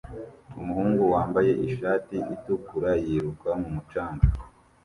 Umuhungu wambaye ishati itukura yiruka mu mucanga